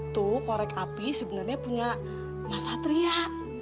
tuh korek api sebenarnya punya satria